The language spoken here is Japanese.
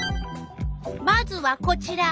まずはこちら。